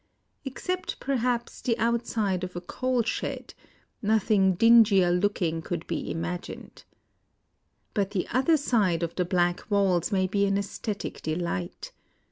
Except, perhaps, the outside of a coal shed, nothing dingier looking could be imagined. But the other side of the black walls may be an assthetic delight.